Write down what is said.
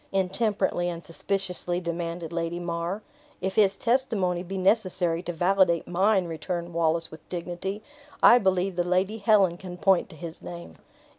intemperately and suspiciously demanded Lady mar. "If his testimony be necessary to validate mine," returned Wallace, with dignity, "I believe the Lady Helen can point to his name."